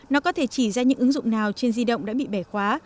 nó có thể chỉ ra những ứng dụng nào trên di động đã bị bẻ khóa